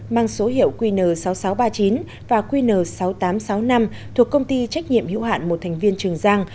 mang số hiệu qn sáu nghìn sáu trăm ba mươi chín và qn sáu nghìn tám trăm sáu mươi năm thuộc công ty trách nhiệm hữu hạn một thành viên trường giang